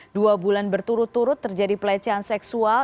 dua bulan berturut turut terjadi pelecehan seksual